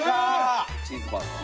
チーズバーガー。